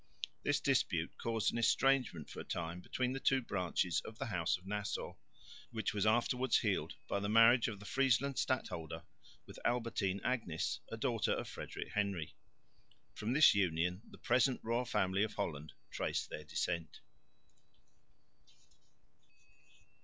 This dispute caused an estrangement for a time between the two branches of the House of Nassau, which was afterwards healed by the marriage of the Friesland stadholder with Albertine Agnes, a daughter of Frederick Henry. From this union the present royal family of Holland trace their descent.